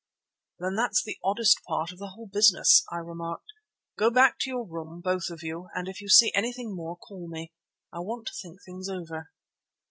"Then that's the oddest part of the whole business," I remarked. "Go back to your room, both of you, and if you see anything more, call me. I want to think things over."